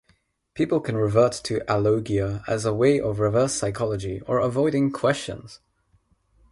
People can revert to alogia as a way of reverse psychology, or avoiding questions.